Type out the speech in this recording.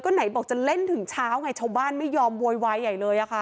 ก็ไหนบอกจะเล่นถึงเช้าไงชาวบ้านไม่ยอมโวยวายใหญ่เลยอะค่ะ